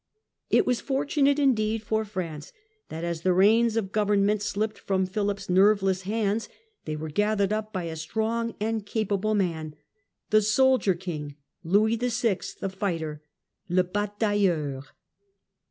It was fortunate indeed for France that as the reins of govern ment slipped from Philip's nerveless hands, they were gathered up by a strong and capable man, the soldier king, Louis VI. ''The Fighter" {Le Batailleur).